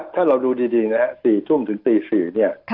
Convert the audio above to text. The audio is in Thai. ถ้าเราดูดีนะฮะ๔ทุ่มถึงตี๔เนี่ย